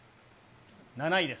７位です。